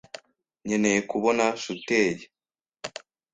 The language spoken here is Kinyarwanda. Nkeneye kubona shuteye.